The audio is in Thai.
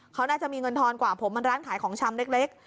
เขาน่าจะมีเงินทอนกว่าผมมันร้านขายของชำเล็ก